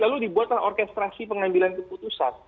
lalu dibuatlah orkestrasi pengambilan keputusan